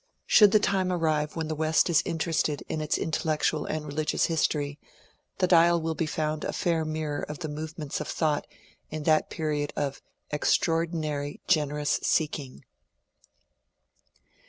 Should the time arrive when the West is interested in its intellectual and religious history, the ^^ Dial " will be found a fair mirror of the movements of thought in that period of " extraordinary, generous seeking."